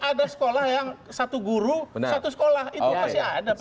ada sekolah yang satu guru satu sekolah itu pasti ada